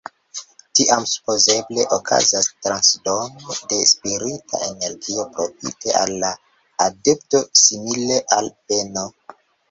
Tiam supozeble okazas transdono de spirita energio profite al la adepto, simile al beno.